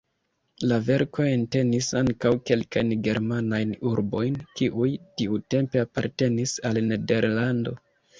La verko entenis ankaŭ kelkajn germanajn urbojn, kiuj tiutempe apartenis al Nederlando.